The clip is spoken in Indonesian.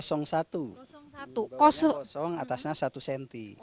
initialnya kosong atasnya satu senti